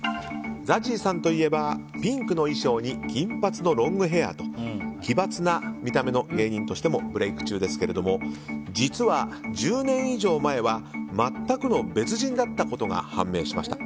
ＺＡＺＹさんといえばピンクの衣装に金髪のロングヘアと奇抜な見た目の芸人としてもブレーク中ですけれども実は、１０年以上前は全くの別人だったことが判明しました。